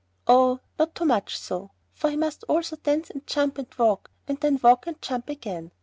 "Oh, not too much so, for he must also dance and jump and walk, and then walk and jump again.